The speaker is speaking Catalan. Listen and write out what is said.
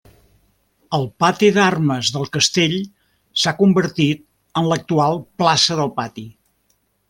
El pati d'armes del castell s'ha convertit en l'actual plaça del Pati.